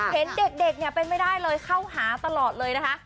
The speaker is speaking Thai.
เห็นเด็กเนี่ยเป็นไม่ได้เลยเข้าหาตลอดเลยนะคะ